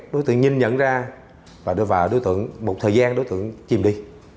đối tượng nhìn nhận ra và đưa vào đối tượng một thời gian đối tượng chìm đi